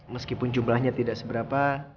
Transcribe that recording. meskipun jumlahnya tidak seberapa